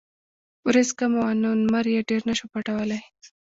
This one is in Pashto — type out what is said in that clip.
وريځ کمه وه نو نمر يې ډېر نۀ شو پټولے ـ